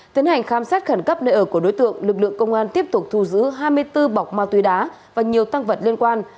tiến hành khám xét khẩn cấp nơi ở của đối tượng lực lượng công an tiếp tục thu giữ hai mươi bốn bọc ma túy đá và nhiều tăng vật liên quan